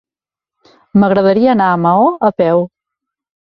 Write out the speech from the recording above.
M'agradaria anar a Maó a peu.